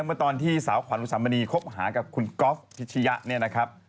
ว่าตอนที่สาวควันอุสามณีคบหากับคุณก๊อฟพิชยะ